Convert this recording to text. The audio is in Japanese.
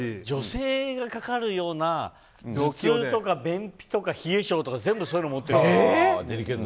女性がかかるような頭痛とか便秘とか冷え性とか全部そういうのもってる。